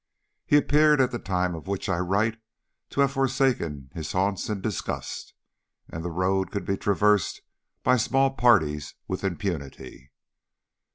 He appeared, at the time of which I write, to have forsaken his haunts in disgust, and the road could be traversed by small parties with impunity.